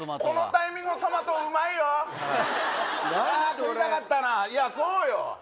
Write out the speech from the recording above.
食いたかったないやそうよ。